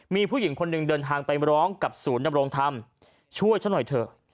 มีผู้หญิงคนหนึ่งเดินทางไปร้องกับศูนย์ดำรงธรรมช่วยฉันหน่อยเถอะ